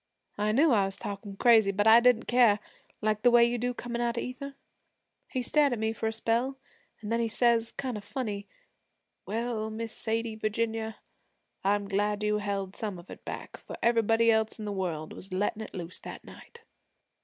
'I knew I was talkin' crazy but I didn't care like the way you do comin' out of ether. 'He stared at me for a spell, an' then he says, kind of funny, "Well, Miss Sadie Virginia, I'm glad you held some of it back, for everybody else in the world was letting it loose last night."